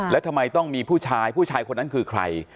แล้วทำไมต้องมีผู้ชายผู้ชายคนนั้นคือใคร